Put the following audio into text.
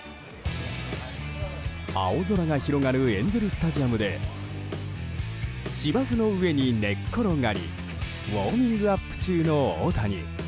青空が広がるエンゼル・スタジアムで芝生の上に寝っ転がりウォーミングアップ中の大谷。